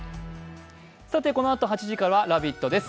このあと８時からは「ラヴィット！」です。